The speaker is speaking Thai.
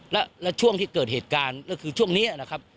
และช่วงที่เกิดเหตุการณ์ก็คือช่วงนี้นะครับ